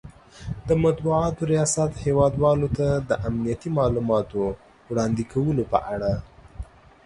،د مطبوعاتو ریاست هیواد والو ته د امنیتي مالوماتو وړاندې کولو په اړه